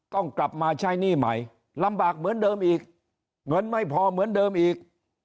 ต้องกลับมาใช้หนี้ใหม่ลำบากเหมือนเดิมอีกเงินไม่พอเหมือนเดิมอีก